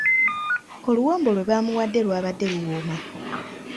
Oluwombo lwe baamuwadde lwabadde luwooma.